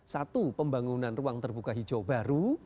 satu pembangunan ruang terbuka hijau baru